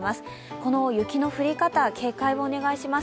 この雪の降り方、警戒をお願いします。